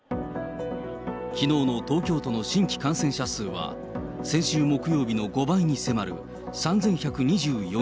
きのうの東京都の新規感染者数は、先週木曜日の５倍に迫る３１２４人。